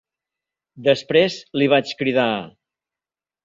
Després li vaig cridar: